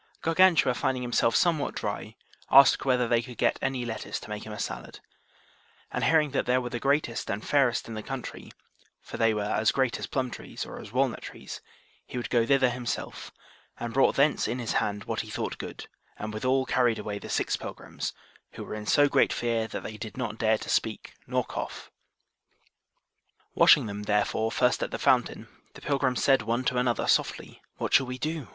Gargantua finding himself somewhat dry, asked whether they could get any lettuce to make him a salad; and hearing that there were the greatest and fairest in the country, for they were as great as plum trees or as walnut trees, he would go thither himself, and brought thence in his hand what he thought good, and withal carried away the six pilgrims, who were in so great fear that they did not dare to speak nor cough. Washing them, therefore, first at the fountain, the pilgrims said one to another softly, What shall we do?